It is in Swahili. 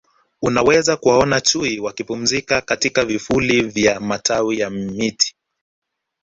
Unaweza kuwaona Chui wakipumzika katika vivuli vya matawi ya miti